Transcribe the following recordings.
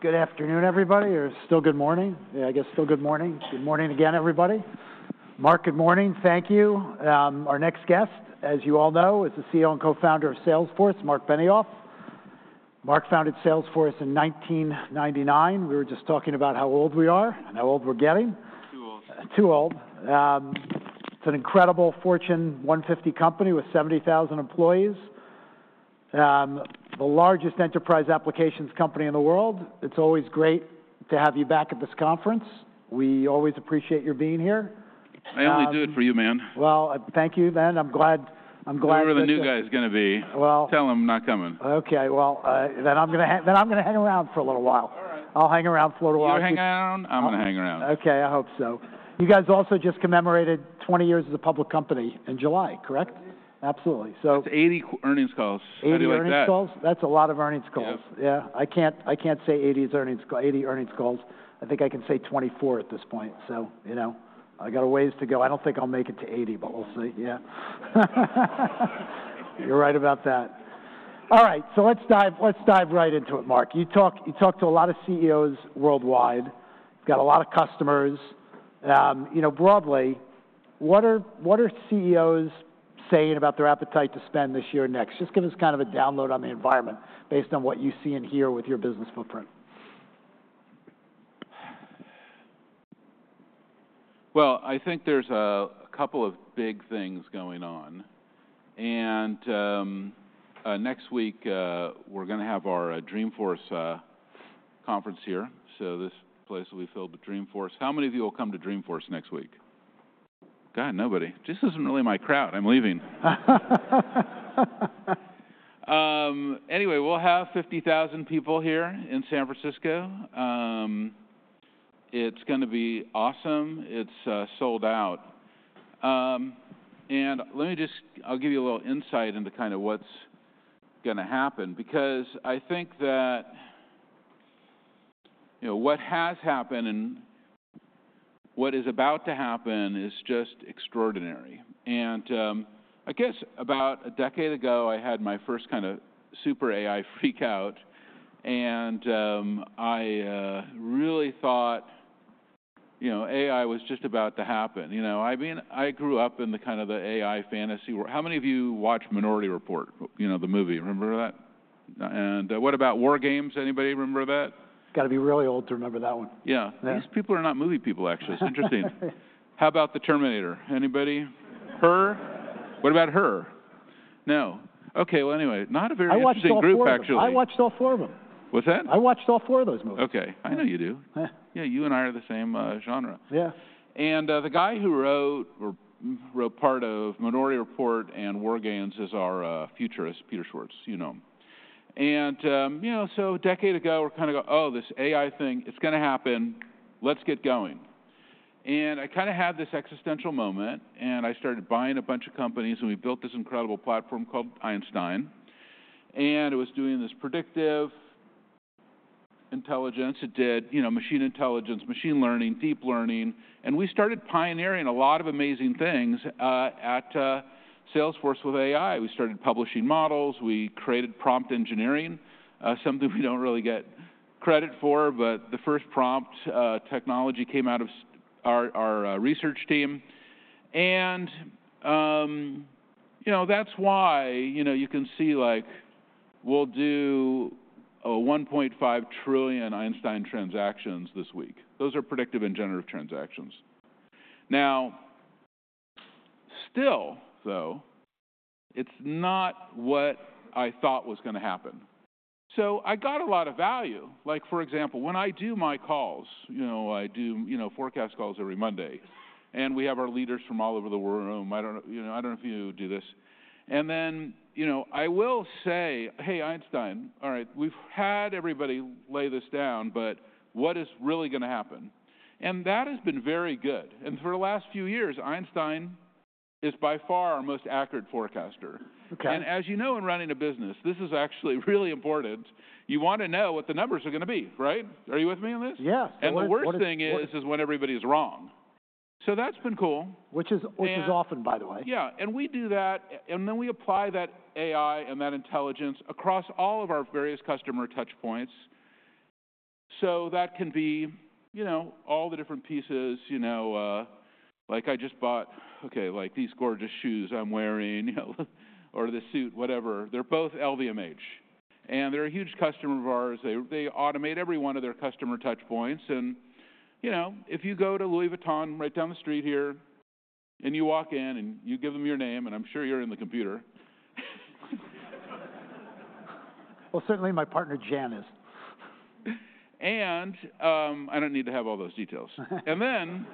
Good afternoon, everybody, or still good morning? Yeah, I guess still good morning. Good morning again, everybody. Marc, good morning. Thank you. Our next guest, as you all know, is the CEO and co-founder of Salesforce, Marc Benioff. Marc founded Salesforce in 1999. We were just talking about how old we are and how old we're getting. Too old. Too old. It's an incredible Fortune 150 company with seventy thousand employees. The largest enterprise applications company in the world. It's always great to have you back at this conference. We always appreciate you being here. I only do it for you, man. Well, thank you then. I'm glad, I'm glad that the new guy is gonna be- Well- Tell them I'm not coming. Okay. Well, then I'm gonna hang around for a little while. All right. I'll hang around for a little while. You're hanging around? I'm gonna hang around. Okay, I hope so. You guys also just commemorated 20 years as a public company in July, correct? Absolutely, so it's 80 earnings calls. How do you like that? 80 earnings calls? That's a lot of earnings calls. Yeah. Yeah, I can't say 80 earnings calls. I think I can say 24 at this point, so you know, I got a ways to go. I don't think I'll make it to eighty, but we'll see. Yeah. You're right about that. All right, so let's dive right into it, Marc. You talk to a lot of CEOs worldwide, got a lot of customers. You know, broadly, what are CEOs saying about their appetite to spend this year next? Just give us kind of a download on the environment based on what you see in here with your business footprint. I think there's a couple of big things going on, and next week, we're gonna have our Dreamforce conference here, so this place will be filled with Dreamforce. How many of you will come to Dreamforce next week? God, nobody. This isn't really my crowd. I'm leaving. Anyway, we'll have 50,000 people here in San Francisco. It's gonna be awesome. It's sold out. And let me just... I'll give you a little insight into kind of what's gonna happen, because I think that, you know, what has happened and what is about to happen is just extraordinary. I guess about a decade ago, I had my first kind of super AI freak out, and I really thought, you know, AI was just about to happen. You know, I mean, I grew up in the kind of the AI fantasy world. How many of you watch Minority Report? You know, the movie. Remember that? And, what about WarGames? Anybody remember that? Gotta be really old to remember that one. Yeah. Yeah. These people are not movie people, actually. It's interesting. How about The Terminator? Anybody? Her? What about Her? No. Okay, well, anyway, not a very interesting group, actually. I watched all four of them. What's that? I watched all four of those movies. Okay. I know you do. Yeah. Yeah, you and I are the same, genre. Yeah. The guy who wrote part of Minority Report and WarGames is our futurist, Peter Schwartz. You know him. You know, so a decade ago, we're kind of going, "Oh, this AI thing, it's gonna happen. Let's get going." I kind of had this existential moment, and I started buying a bunch of companies, and we built this incredible platform called Einstein, and it was doing this predictive intelligence. It did, you know, machine intelligence, machine learning, deep learning, and we started pioneering a lot of amazing things at Salesforce with AI. We started publishing models. We created prompt engineering, something we don't really get credit for, but the first prompt technology came out of our research team. And, you know, that's why, you know, you can see, like, we'll do 1.5 trillion Einstein transactions this week. Those are predictive and generative transactions. Now, still, though, it's not what I thought was gonna happen. So I got a lot of value. Like, for example, when I do my calls, you know, I do, you know, forecast calls every Monday, and we have our leaders from all over the world. I don't, you know, I don't know if you do this. And then, you know, I will say: "Hey, Einstein, all right, we've had everybody lay this down, but what is really gonna happen?" And that has been very good. And for the last few years, Einstein is by far our most accurate forecaster. Okay. And as you know, in running a business, this is actually really important. You want to know what the numbers are gonna be, right? Are you with me on this? Yeah. The worst thing is when everybody's wrong. That's been cool. Which is- And-... which is often, by the way. Yeah, and we do that, and then we apply that AI and that intelligence across all of our various customer touch points. So that can be, you know, all the different pieces, you know. Like I just bought, okay, like these gorgeous shoes I'm wearing, you know, or this suit, whatever. They're both LVMH, and they're a huge customer of ours. They automate every one of their customer touch points. And, you know, if you go to Louis Vuitton, right down the street here, and you walk in, and you give them your name, and I'm sure you're in the computer. Certainly my partner Jan is. I don't need to have all those details. And then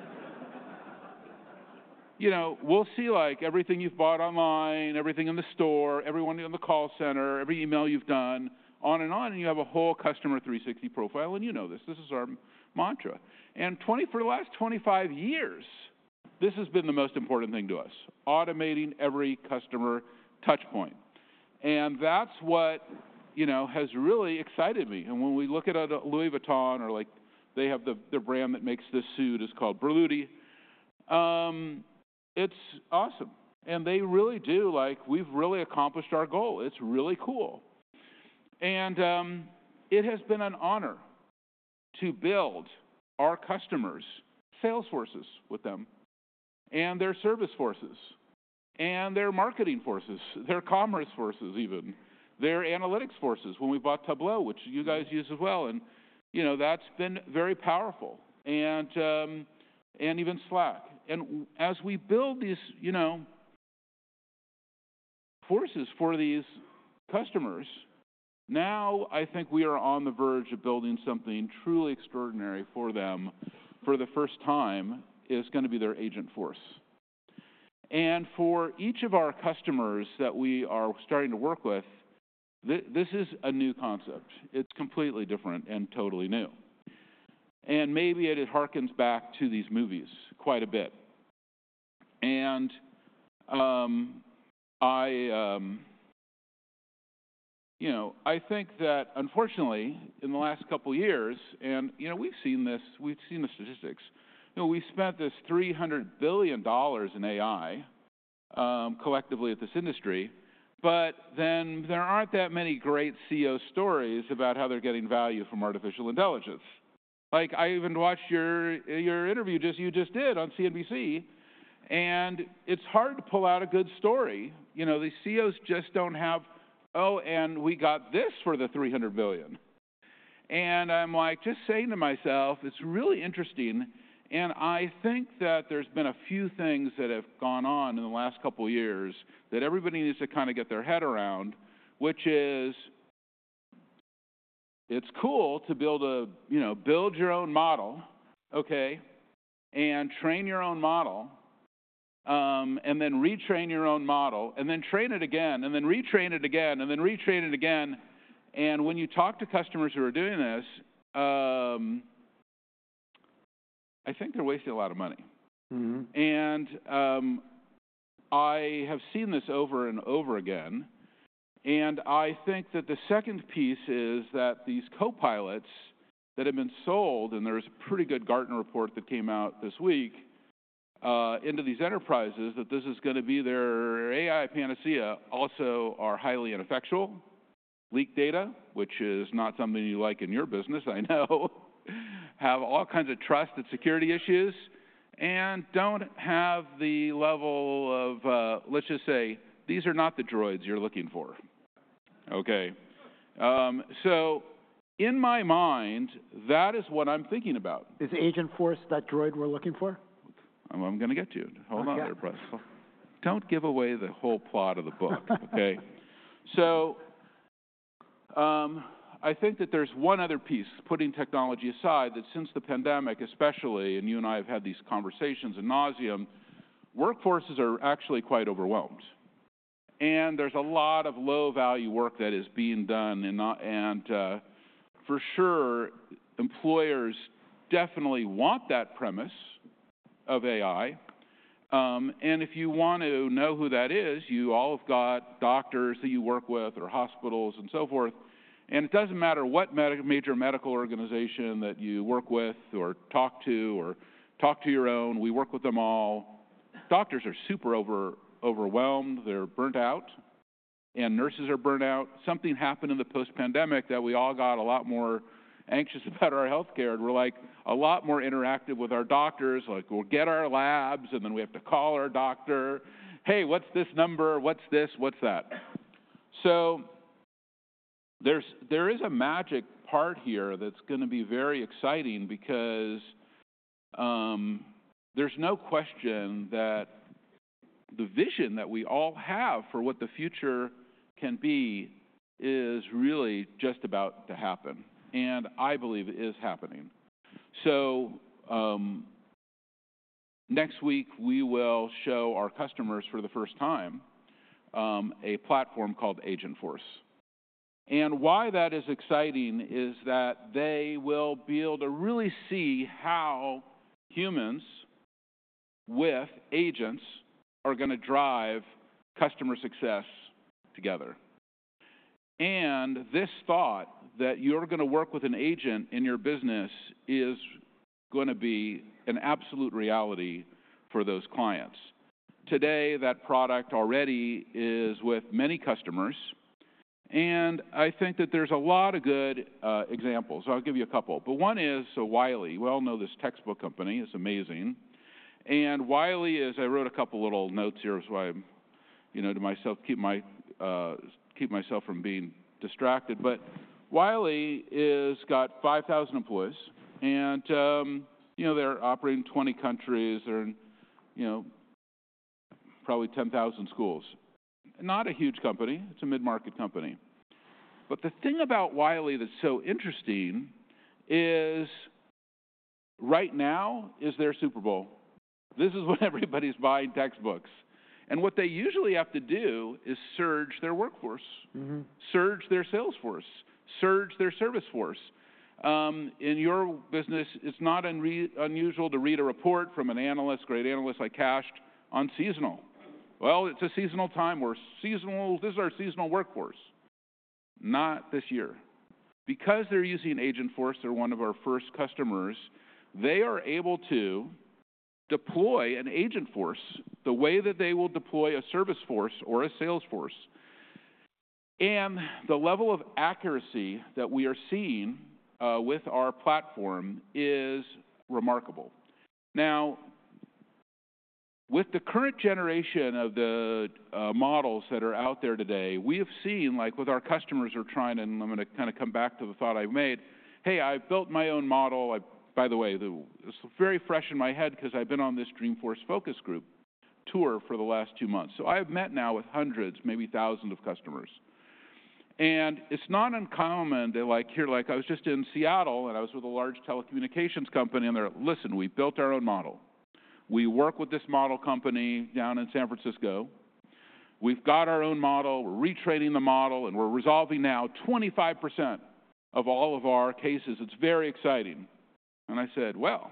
you know, we'll see, like, everything you've bought online, everything in the store, everyone in the call center, every email you've done, on and on, and you have a whole Customer 360 profile, and you know this. This is our mantra. For the last 25 years, this has been the most important thing to us, automating every customer touch point. And that's what, you know, has really excited me. And when we look at Louis Vuitton, they have the brand that makes this suit is called Berluti. It's awesome, and they really do, like, we've really accomplished our goal. It's really cool. It has been an honor to build our customers' sales forces with them, and their service forces, and their marketing forces, their commerce forces even, their analytics forces when we bought Tableau, which you guys use as well. You know, that's been very powerful, and even Slack. As we build these, you know, forces for these customers, now I think we are on the verge of building something truly extraordinary for them for the first time. It is gonna be their agent force. For each of our customers that we are starting to work with, this is a new concept. It's completely different and totally new, and maybe it, it hearkens back to these movies quite a bit. You know, I think that unfortunately, in the last couple of years... You know, we've seen this, we've seen the statistics. You know, we spent $300 billion in AI collectively at this industry, but then there aren't that many great CEO stories about how they're getting value from artificial intelligence. Like, I even watched your interview you just did on CNBC, and it's hard to pull out a good story. You know, the CEOs just don't have, "Oh, and we got this for the $300 billion." And I'm, like, just saying to myself, it's really interesting, and I think that there's been a few things that have gone on in the last couple of years that everybody needs to kind of get their head around, which is, it's cool to build a, you know, build your own model, okay, and train your own model, and then retrain your own model, and then train it again, and then retrain it again, and then retrain it again. And when you talk to customers who are doing this, I think they're wasting a lot of money. I have seen this over and over again, and I think that the second piece is that these copilots that have been sold, and there's a pretty good Gartner report that came out this week, into these enterprises, that this is gonna be their AI panacea, also are highly ineffectual. Leak data, which is not something you like in your business, I know, have all kinds of trust and security issues, and don't have the level of. Let's just say, these are not the droids you're looking for, okay? In my mind, that is what I'm thinking about. Is Agentforce that droid we're looking for? I'm gonna get to it. Hold on there, Don't give away the whole plot of the book, okay? So, I think that there's one other piece, putting technology aside, that since the pandemic, especially, and you and I have had these conversations ad nauseam, workforces are actually quite overwhelmed, and there's a lot of low-value work that is being done for sure, employers definitely want that promise of AI. And if you want to know who that is, you all have got doctors that you work with or hospitals and so forth, and it doesn't matter what major medical organization that you work with or talk to or talk to your own, we work with them all. Doctors are super overwhelmed. They're burned out, and nurses are burned out. Something happened in the post-pandemic that we all got a lot more anxious about our healthcare, and we're, like, a lot more interactive with our doctors. Like, we'll get our labs, and then we have to call our doctor: "Hey, what's this number? What's this? What's that?" There is a magic part here that's gonna be very exciting because there's no question that the vision that we all have for what the future can be is really just about to happen, and I believe it is happening. Next week, we will show our customers for the first time a platform called Agentforce. And why that is exciting is that they will be able to really see how humans with agents are gonna drive customer success together. This thought that you're gonna work with an agent in your business is gonna be an absolute reality for those clients. Today, that product already is with many customers, and I think that there's a lot of good examples. I'll give you a couple, but one is, so Wiley, we all know this textbook company. It's amazing. Wiley is... I wrote a couple little notes here, so I, you know, to myself, keep myself from being distracted. Wiley is got 5,000 employees, and you know, they're operating in 20 countries. They're in, you know, probably 10,000 schools. Not a huge company. It's a mid-market company. The thing about Wiley that's so interesting is right now is their Super Bowl. This is when everybody's buying textbooks, and what they usually have to do is surge their workforce. Surge their sales force, surge their service force. In your business, it's not unusual to read a report from an analyst, great analyst like Kash, on seasonality. "Well, it's a seasonal time. We're seasonal. This is our seasonal workforce."... Not this year. Because they're using Agentforce, they're one of our first customers, they are able to deploy an Agentforce the way that they will deploy a Salesforce or a Salesforce. And the level of accuracy that we are seeing with our platform is remarkable. Now, with the current generation of the models that are out there today, we have seen, like with our customers are trying, and I'm gonna kinda come back to the thought I've made: "Hey, I've built my own model." By the way, it's very fresh in my head 'cause I've been on this Dreamforce focus group tour for the last two months. So I've met now with hundreds, maybe thousands of customers, and it's not uncommon that like here, like I was just in Seattle, and I was with a large telecommunications company, and they're, "Listen, we've built our own model. We work with this model company down in San Francisco. We've got our own model, we're retraining the model, and we're resolving now 25% of all of our cases. It's very exciting." And I said, "Well,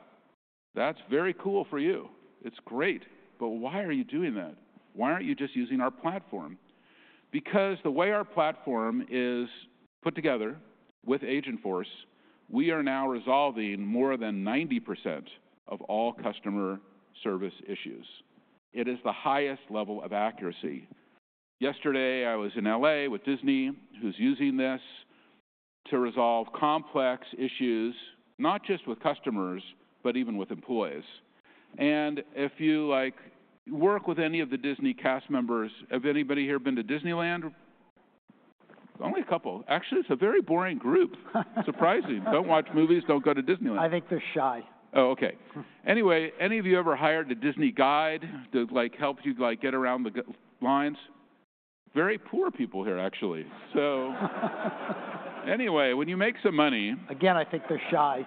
that's very cool for you. It's great, but why are you doing that? Why aren't you just using our platform?" Because the way our platform is put together with Agentforce, we are now resolving more than 90% of all customer service issues. It is the highest level of accuracy. Yesterday, I was in LA with Disney, who's using this to resolve complex issues, not just with customers, but even with employees. And if you like, work with any of the Disney cast members. Have anybody here been to Disneyland? Only a couple. Actually, it's a very boring group. Surprising. Don't watch movies, don't go to Disneyland. I think they're shy. Oh, okay. Anyway, any of you ever hired a Disney guide to, like, help you, like, get around the Genie lines? Very poor people here, actually. Anyway, when you make some money- Again, I think they're shy.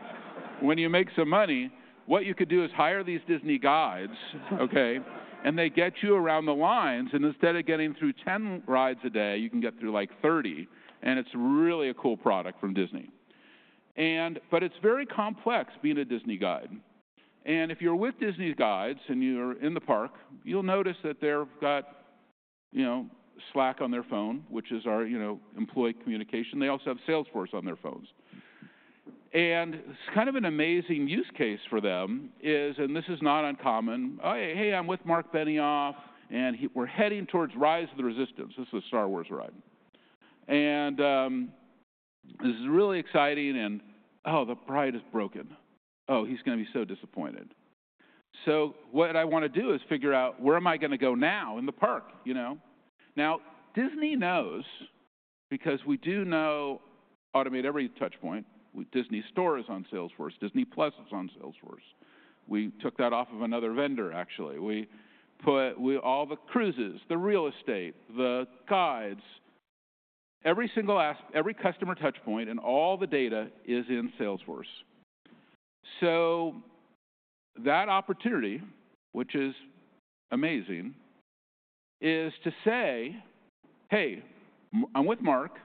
When you make some money, what you could do is hire these Disney guides, okay? And they get you around the lines, and instead of getting through 10 rides a day, you can get through, like, 30. And it's really a cool product from Disney. And but it's very complex being a Disney guide, and if you're with Disney's guides and you're in the park, you'll notice that they've got, you know, Slack on their phone, which is our, you know, employee communication. They also have Salesforce on their phones. And it's kind of an amazing use case for them is, and this is not uncommon, "Oh, hey, I'm with Marc Benioff, and we're heading towards Rise of the Resistance." This is a Star Wars ride. " And, this is really exciting, and... Oh, the ride is broken. Oh, he's gonna be so disappointed. So what I want to do is figure out, where am I gonna go now in the park, you know?" Now, Disney knows because we do know, automate every touch point with Disney Store is on Salesforce. Disney+ is on Salesforce. We took that off of another vendor, actually. We all the cruises, the real estate, the guides, every single every customer touch point and all the data is in Salesforce. So that opportunity, which is amazing, is to say, "Hey, I'm with Marc,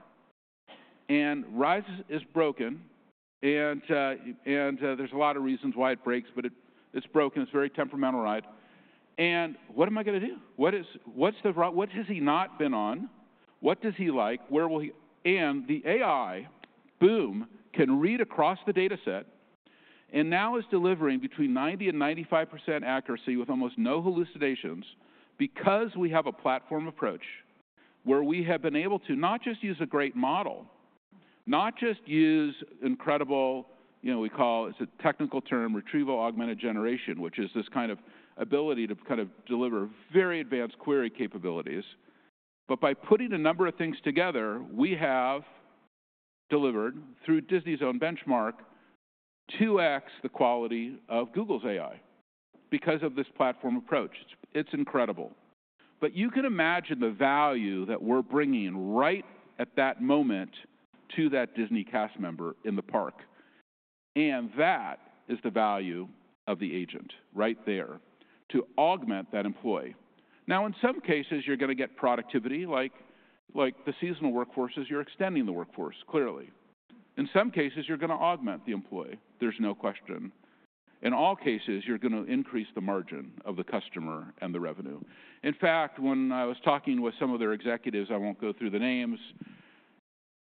and Rise is broken," and there's a lot of reasons why it breaks, but it, it's broken. It's a very temperamental ride. "And what am I gonna do? What is... What's the what has he not been on? What does he like? “Where will he...” And the AI, boom, can read across the data set and now is delivering between 90% and 95% accuracy with almost no hallucinations because we have a platform approach where we have been able to not just use a great model, not just use incredible, you know, we call, it's a technical term, Retrieval-Augmented Generation, which is this kind of ability to kind of deliver very advanced query capabilities. But by putting a number of things together, we have delivered, through Disney's own benchmark, 2X the quality of Google's AI because of this platform approach. It's, it's incredible. But you can imagine the value that we're bringing right at that moment to that Disney cast member in the park, and that is the value of the agent right there, to augment that employee. Now, in some cases, you're gonna get productivity, like the seasonal workforces. You're extending the workforce, clearly. In some cases, you're gonna augment the employee, there's no question. In all cases, you're gonna increase the margin of the customer and the revenue. In fact, when I was talking with some of their executives, I won't go through the names,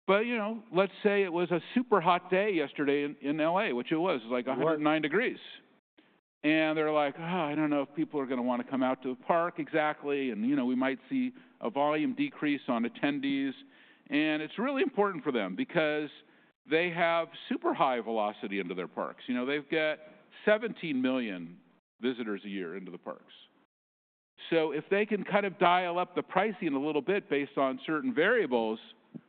but, you know, let's say it was a super hot day yesterday in LA, which it was, like a hundred and nine degrees. And they're like: "Oh, I don't know if people are gonna want to come out to the park exactly, and, you know, we might see a volume decrease on attendees." And it's really important for them because they have super high velocity into their parks. You know, they've got 17 million visitors a year into the parks. So if they can kind of dial up the pricing a little bit based on certain variables,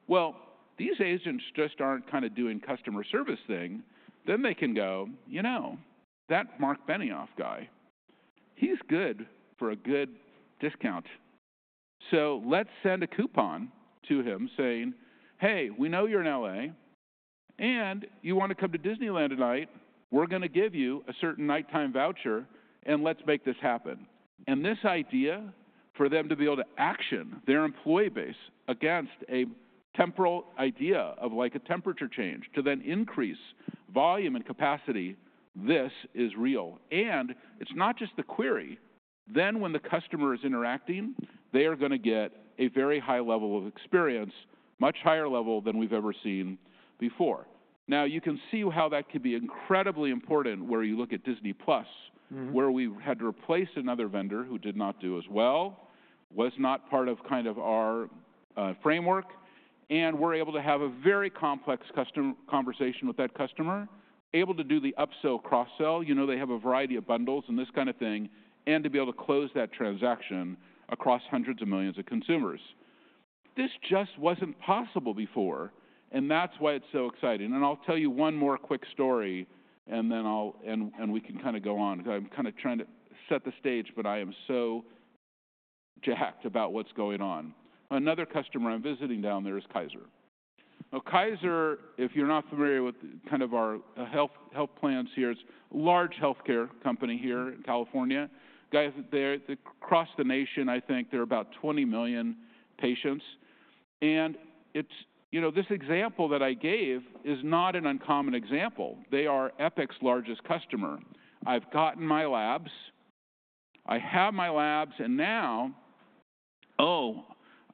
well, these agents just aren't kind of doing customer service thing. Then they can go, "You know, that Marc Benioff guy, he's good for a good discount." So let's send a coupon to him saying, "Hey, we know you're in LA, and you want to come to Disneyland tonight. We're gonna give you a certain nighttime voucher, and let's make this happen." And this idea for them to be able to action their employee base against a temporal idea of, like, a temperature change, to then increase volume and capacity, this is real. And it's not just the query... then when the customer is interacting, they are gonna get a very high level of experience, much higher level than we've ever seen before. Now, you can see how that could be incredibly important where you look at Disney+. where we had to replace another vendor who did not do as well, was not part of kind of our framework, and we're able to have a very complex custom conversation with that customer, able to do the upsell, cross-sell, you know, they have a variety of bundles and this kind of thing, and to be able to close that transaction across hundreds of millions of consumers. This just wasn't possible before, and that's why it's so exciting. I'll tell you one more quick story, and then I'll... and we can kinda go on. I'm kinda trying to set the stage, but I am so jacked about what's going on. Another customer I'm visiting down there is Kaiser. Now, Kaiser, if you're not familiar with kind of our health plans here, it's large healthcare company here in California. Guys, they're across the nation. I think they're about 20 million patients, and it's. You know, this example that I gave is not an uncommon example. They are Epic's largest customer. I've gotten my labs. I have my labs, and now, oh,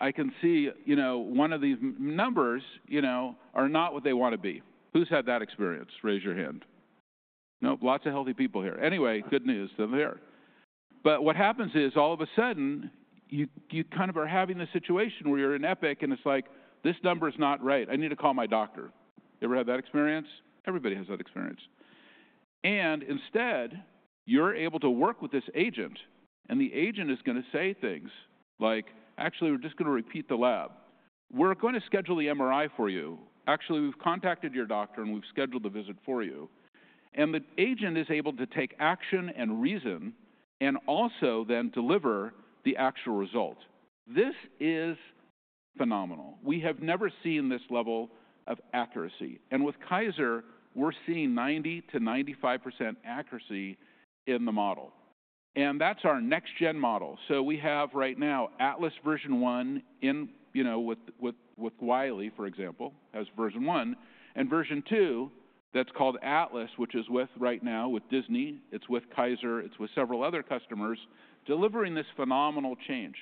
I can see, you know, one of these numbers, you know, are not what they want to be. Who's had that experience? Raise your hand. Nope, lots of healthy people here. Anyway, good news, they're there. But what happens is, all of a sudden, you kind of are having this situation where you're in Epic, and it's like, "This number is not right. I need to call my doctor." You ever had that experience? Everybody has that experience, and instead, you're able to work with this agent, and the agent is gonna say things like, "Actually, we're just gonna repeat the lab. We're going to schedule the MRI for you. Actually, we've contacted your doctor, and we've scheduled a visit for you." And the agent is able to take action and reason and also then deliver the actual result. This is phenomenal. We have never seen this level of accuracy, and with Kaiser, we're seeing 90%-95% accuracy in the model, and that's our next-gen model. So we have right now, Atlas version one in, you know, with Wiley, for example, as version one, and version two, that's called Atlas, which is with right now with Disney, it's with Kaiser, it's with several other customers, delivering this phenomenal change.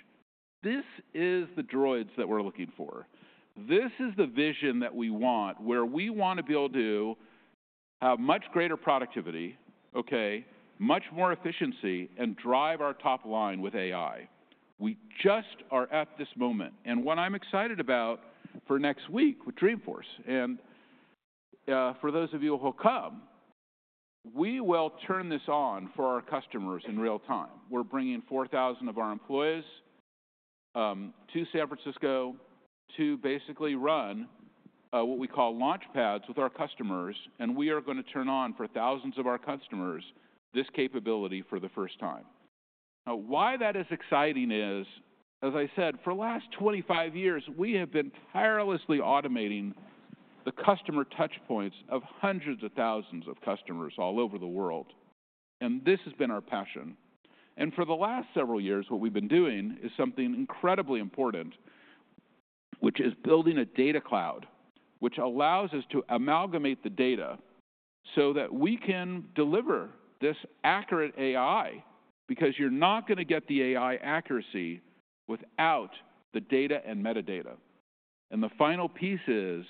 This is the droids that we're looking for. This is the vision that we want, where we want to be able to have much greater productivity, okay, much more efficiency, and drive our top line with AI. We just are at this moment, and what I'm excited about for next week with Dreamforce, and for those of you who will come, we will turn this on for our customers in real time. We're bringing four thousand of our employees to San Francisco to basically run what we call launchpads with our customers, and we are gonna turn on for thousands of our customers, this capability for the first time. Now, why that is exciting is, as I said, for the last 25 years, we have been tirelessly automating the customer touch points of hundreds of thousands of customers all over the world, and this has been our passion. For the last several years, what we've been doing is something incredibly important, which is building a Data Cloud, which allows us to amalgamate the data so that we can deliver this accurate AI, because you're not gonna get the AI accuracy without the data and metadata. The final piece is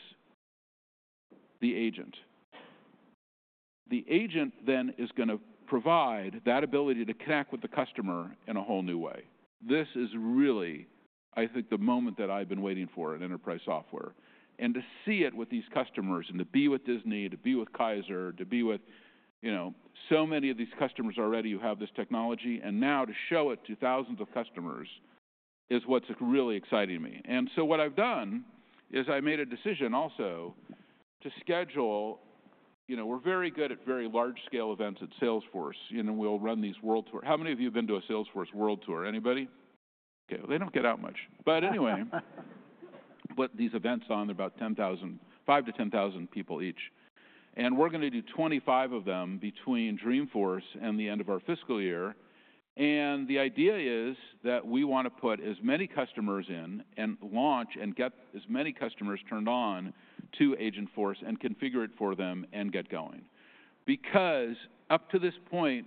the agent. The agent then is gonna provide that ability to connect with the customer in a whole new way. This is really, I think, the moment that I've been waiting for in enterprise software. To see it with these customers and to be with Disney, to be with Kaiser, to be with, you know, so many of these customers already who have this technology, and now to show it to thousands of customers, is what's really exciting me. What I've done is I made a decision also to schedule... You know, we're very good at very large scale events at Salesforce. You know, we'll run these World Tour. How many of you have been to a Salesforce World Tour? Anybody? Okay, they don't get out much. But anyway, but these events on, they're about 10,000, five to 10,000 people each, and we're gonna do 25 of them between Dreamforce and the end of our fiscal year. And the idea is that we want to put as many customers in and launch and get as many customers turned on to Agentforce and configure it for them and get going. Because up to this point,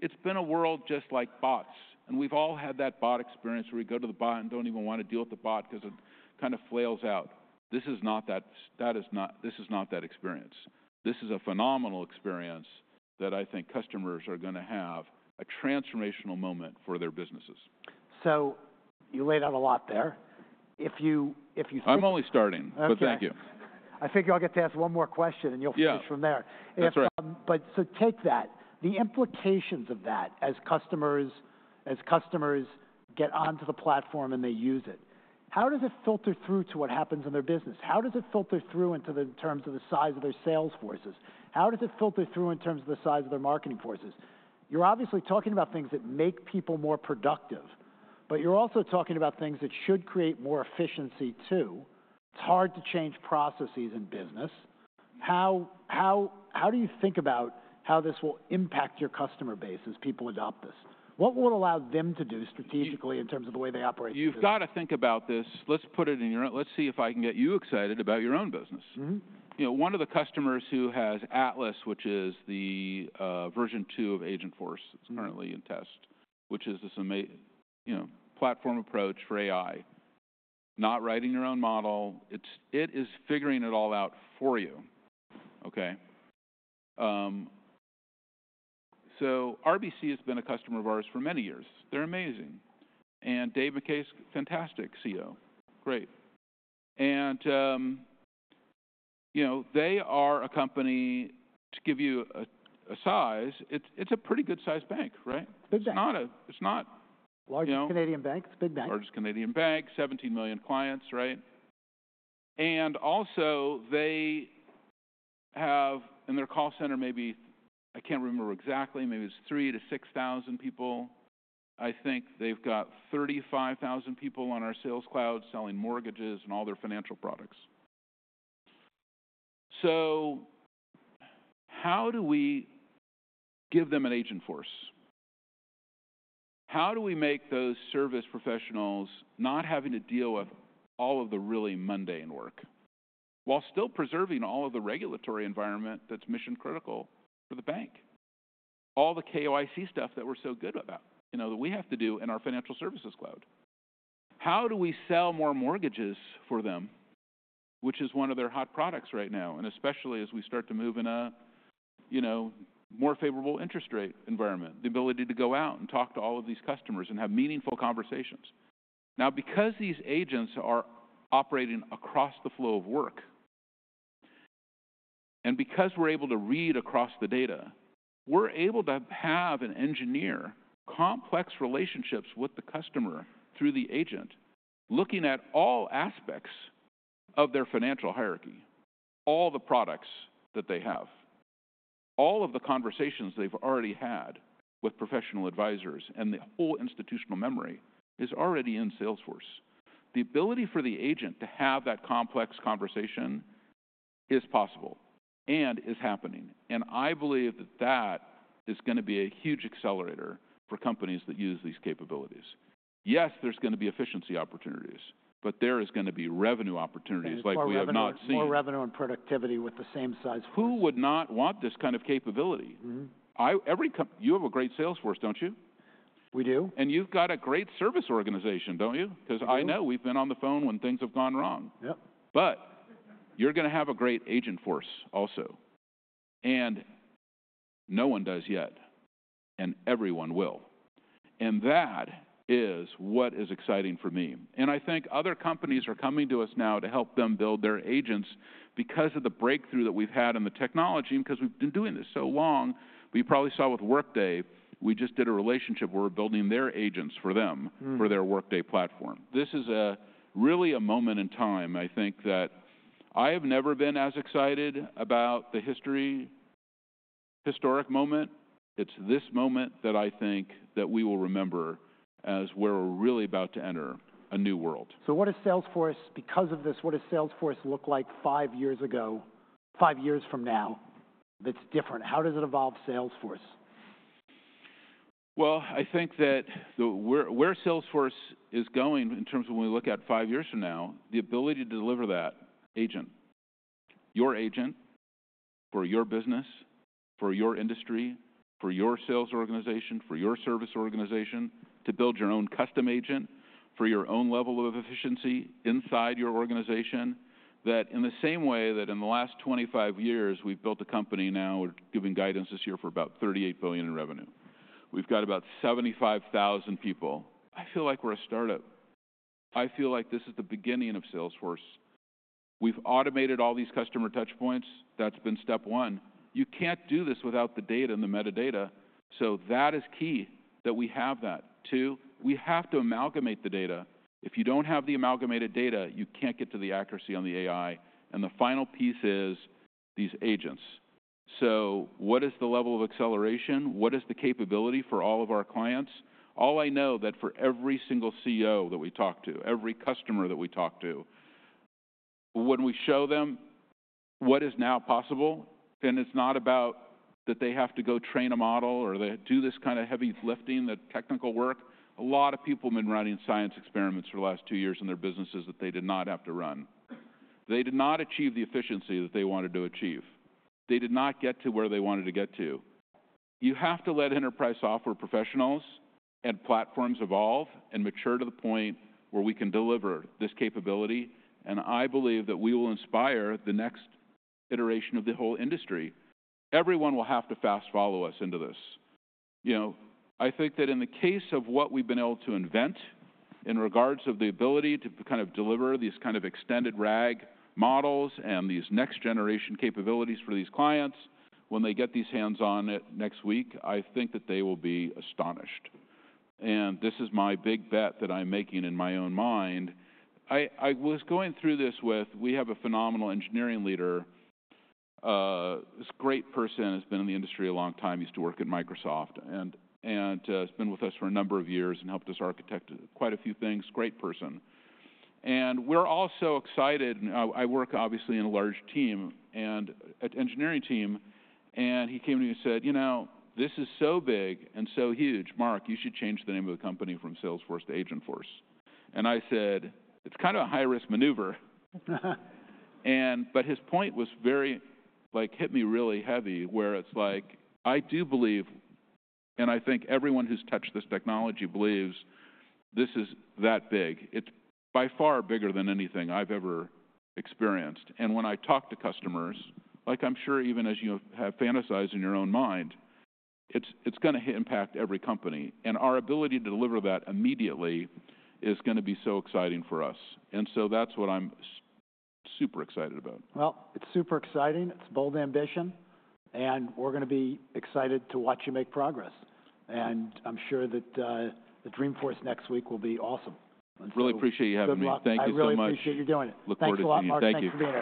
it's been a world just like bots, and we've all had that bot experience where we go to the bot and don't even want to deal with the bot 'cause it kind of flails out. This is not that... This is not that experience. This is a phenomenal experience that I think customers are gonna have, a transformational moment for their businesses. So you laid out a lot there. If you- I'm only starting. Okay. But thank you. I figure I'll get to ask one more question, and you'll- Yeah -finish from there. That's right. But so take that. The implications of that as customers get onto the platform and they use it, how does it filter through to what happens in their business? How does it filter through into the terms of the size of their sales forces? How does it filter through in terms of the size of their marketing forces? You're obviously talking about things that make people more productive, but you're also talking about things that should create more efficiency, too. It's hard to change processes in business. How do you think about how this will impact your customer base as people adopt this? What will it allow them to do strategically in terms of the way they operate? You've got to think about this. Let's put it in your own... Let's see if I can get you excited about your own business. You know, one of the customers who has Atlas, which is the version two of Agentforce it's currently in test, which is this you know, platform approach for AI. Not writing your own model. It's figuring it all out for you, okay? So RBC has been a customer of ours for many years. They're amazing, and Dave McKay's a fantastic CEO. Great. And you know, they are a company, to give you a size, it's a pretty good-sized bank, right? It's not, you know- Largest Canadian bank. It's a big bank. Largest Canadian bank, 17 million clients, right? And also, they have in their call center, maybe, I can't remember exactly, maybe it's three to six thousand people. I think they've got 35 thousand people on our Sales Cloud selling mortgages and all their financial products. So how do we give them an Agentforce? How do we make those service professionals not having to deal with all of the really mundane work, while still preserving all of the regulatory environment that's mission-critical for the bank? All the KYC stuff that we're so good about, you know, that we have to do in our Financial Services Cloud. How do we sell more mortgages for them, which is one of their hot products right now, and especially as we start to move in a, you know, more favorable interest rate environment, the ability to go out and talk to all of these customers and have meaningful conversations? Now, because these agents are operating across the flow of work, and because we're able to read across the data, we're able to have and engineer complex relationships with the customer through the agent, looking at all aspects of their financial hierarchy, all the products that they have. All of the conversations they've already had with professional advisors and the whole institutional memory is already in Salesforce. The ability for the agent to have that complex conversation is possible and is happening, and I believe that that is gonna be a huge accelerator for companies that use these capabilities. Yes, there's gonna be efficiency opportunities, but there is gonna be revenue opportunities like we have not seen. More revenue and productivity with the same size force. Who would not want this kind of capability? You have a great sales force, don't you? We do. And you've got a great service organization, don't you? We do. 'Cause I know we've been on the phone when things have gone wrong. Yep. But you're gonna have a great Agentforce also, and no one does yet, and everyone will. And that is what is exciting for me. And I think other companies are coming to us now to help them build their agents because of the breakthrough that we've had in the technology and because we've been doing this so long. We probably saw with Workday. We just did a relationship where we're building their agents for them for their Workday platform. This is really a moment in time, I think, that I have never been as excited about the historic moment. It's this moment that I think that we will remember as we're really about to enter a new world. So, because of this, what does Salesforce look like five years from now that's different? How does it evolve Salesforce? Well, I think that where Salesforce is going in terms of when we look at five years from now, the ability to deliver that agent, your agent for your business, for your industry, for your sales organization, for your service organization, to build your own custom agent for your own level of efficiency inside your organization. That in the same way that in the last 25 years we've built a company, now we're giving guidance this year for about $38 billion in revenue. We've got about 75,000 people. I feel like we're a startup. I feel like this is the beginning of Salesforce. We've automated all these customer touch points. That's been step one. You can't do this without the data and the metadata, so that is key that we have that. Two, we have to amalgamate the data. If you don't have the amalgamated data, you can't get to the accuracy on the AI, and the final piece is these agents, so what is the level of acceleration? What is the capability for all of our clients? All I know that for every single CEO that we talk to, every customer that we talk to, when we show them what is now possible, and it's not about that they have to go train a model or they do this kind of heavy lifting, the technical work. A lot of people have been running science experiments for the last two years in their businesses that they did not have to run. They did not achieve the efficiency that they wanted to achieve. They did not get to where they wanted to get to. You have to let enterprise software professionals and platforms evolve and mature to the point where we can deliver this capability, and I believe that we will inspire the next iteration of the whole industry. Everyone will have to fast follow us into this. You know, I think that in the case of what we've been able to invent in regards of the ability to kind of deliver these kind of extended RAG models and these next-generation capabilities for these clients, when they get their hands on it next week, I think that they will be astonished. And this is my big bet that I'm making in my own mind. I was going through this with... We have a phenomenal engineering leader, this great person who's been in the industry a long time. He used to work at Microsoft and has been with us for a number of years and helped us architect quite a few things. Great person. And we're all so excited, and I work obviously in a large team and an engineering team, and he came to me and said: "You know, this is so big and so huge, Mark, you should change the name of the company from Salesforce to Agentforce." And I said: "It's kind of a high-risk maneuver." And but his point was very like, hit me really heavy, where it's like, I do believe, and I think everyone who's touched this technology believes, this is that big. It's by far bigger than anything I've ever experienced. When I talk to customers, like I'm sure even as you have fantasized in your own mind, it's gonna impact every company, and our ability to deliver that immediately is gonna be so exciting for us. And so that's what I'm super excited about. It's super exciting. It's bold ambition, and we're gonna be excited to watch you make progress. I'm sure that the Dreamforce next week will be awesome. Really appreciate you having me. Good luck. Thank you so much. I really appreciate you doing it. Look forward to seeing you. Thanks a lot, Marc. Thank you. Thanks for being here.